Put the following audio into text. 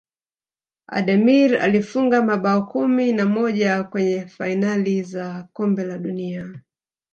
ademir alifunga mabao kumi na moja kwenye fainali za kombe la dunia